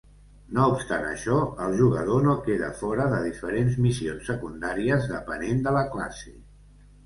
No obstant això, el jugador no queda fora de diferents missions secundàries depenent de la classe.